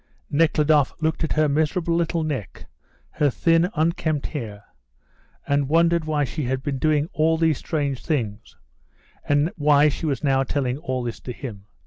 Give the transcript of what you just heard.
Nekhludoff looked at her miserable little neck, her thin, unkempt hair, and wondered why she had been doing all these strange things, and why she was now telling all this to him.